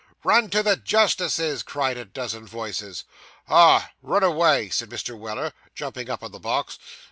'Run to the justice's!' cried a dozen voices. 'Ah, run avay,' said Mr. Weller, jumping up on the box.